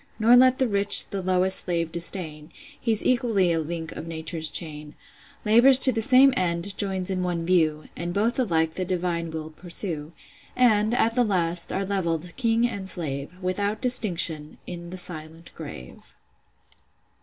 Nor let the rich the lowest slave disdain: He's equally a link of Nature's chain: Labours to the same end, joins in one view; And both alike the will divine pursue; And, at the last, are levell'd, king and slave, Without distinction, in the silent grave."